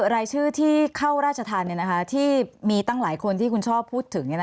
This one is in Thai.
รายชื่อที่เข้าราชธรรมที่มีตั้งหลายคนที่คุณชอบพูดถึง